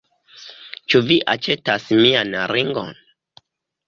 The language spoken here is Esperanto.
Ĉu vi aĉetas mian ringon?